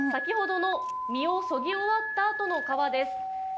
こちらが、先ほどの身をそぎ終わったあとの皮です。